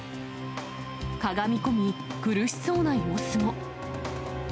かがみ込み、苦しそうな様子も。